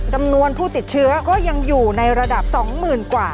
จำนวนผู้ติดเชื้อก็ยังอยู่ในระดับ๒๐๐๐กว่า